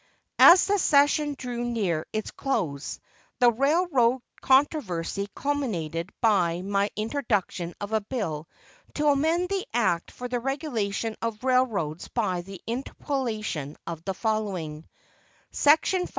As the session drew near its close, the railroad controversy culminated by my introduction of a bill to amend the act for the regulation of railroads by the interpolation of the following: SECTION 508.